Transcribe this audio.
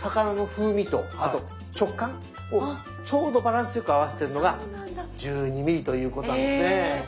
魚の風味とあと食感をちょうどバランスよく合わせてるのが１２ｍｍということなんですね。